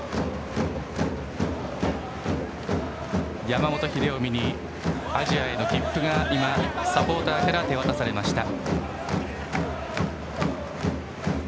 山本英臣にアジアへの切符がサポーターから手渡されました。